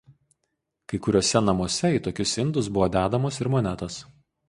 Kai kuriuose namuose į tokius indus buvo dedamos ir monetos.